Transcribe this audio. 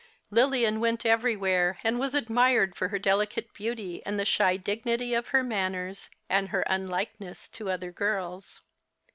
Lilian w^ent everywhere, and was admired for her delicate beauty and the shy dignity of her manners, and her unlikeness to other girls.